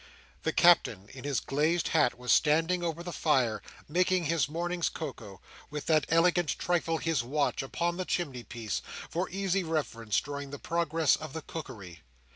The Captain, in his glazed hat, was standing over the fire, making his morning's cocoa, with that elegant trifle, his watch, upon the chimney piece, for easy reference during the progress of the cookery.